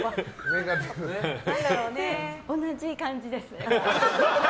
同じ感じです。